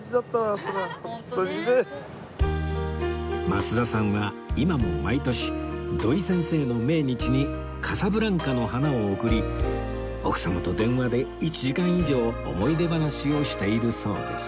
増田さんは今も毎年土居先生の命日にカサブランカの花を贈り奥様と電話で１時間以上思い出話をしているそうです